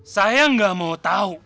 saya gak mau tahu